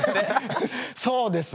そうですね。